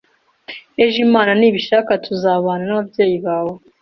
Ejo, Imana nibishaka, tuzabana nababyeyi bawe